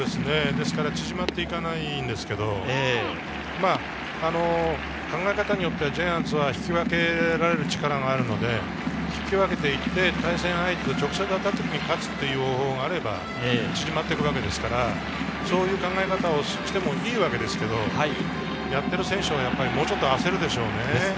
縮まっていかないですけど、考え方によってはジャイアンツは引き分けられる力があるので引き分けて対戦相手と直接当たった時に勝つという方法があれば縮まりますから、そういう考え方をしてもいいわけですけど、やっている選手は焦るでしょうね。